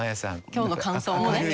今日の感想もね。